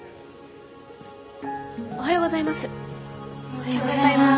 おはようございます。